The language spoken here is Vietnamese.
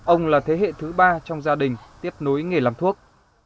ông là thế hệ thứ ba trong gia đình tiếp nối nghề làm thuốc